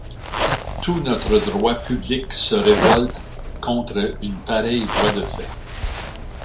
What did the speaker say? Tout notre droit public se révolte contre une pareille voie de fait.